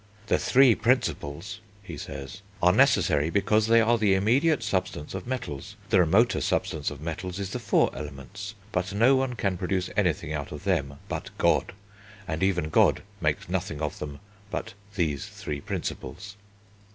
"The three Principles," he says, "are necessary because they are the immediate substance of metals. The remoter substance of metals is the four elements, but no one can produce anything out of them but God; and even God makes nothing of them but these three Principles."